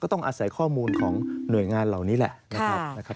ต้องอาศัยข้อมูลของหน่วยงานเหล่านี้แหละนะครับ